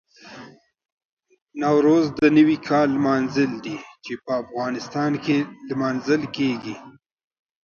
نوروز د نوي کال لمانځل دي چې په افغانستان کې لمانځل کېږي.